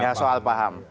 ya soal paham